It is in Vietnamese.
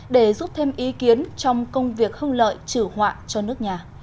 để giúp thêm ý kiến trong công việc hưng lợi chử họa cho nước nhà